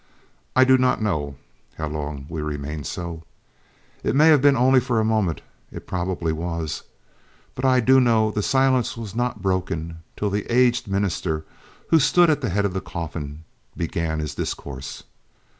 I do not know how long we remained so. It may have been only for a moment, it probably was; but I do know the silence was not broken till the aged minister, who stood at the head of the coffin, began his discourse.